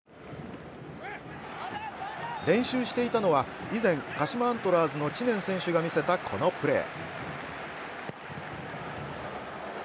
練習していたのは以前、鹿島アントラーズの知念選手が見せたこのプレー。